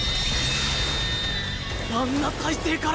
あんな体勢から！